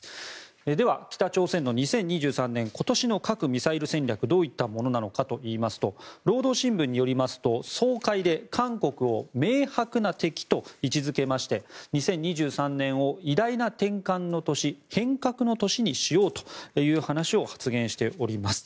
では、北朝鮮の２０２３年今年の核・ミサイル戦略どういったものなのかといいますと労働新聞によりますと総会で韓国を明白な敵と位置付けまして２０２３年を偉大な転換の年変革の年にしようという話を発言しております。